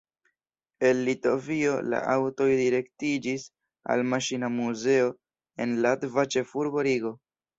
El Litovio la aŭtoj direktiĝis al maŝina muzeo en latva ĉefurbo Rigo.